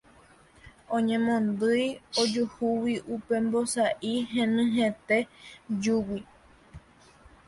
Oñemondýi ojuhúgui upe vosa'i henyhẽte júgui.